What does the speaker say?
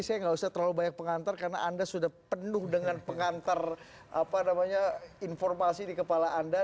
saya nggak usah terlalu banyak pengantar karena anda sudah penuh dengan pengantar informasi di kepala anda